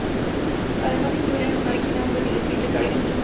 Además de incluir el "making of" del videoclip de Caribbean Blue y Only Time.